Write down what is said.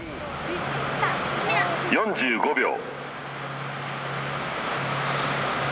４５秒。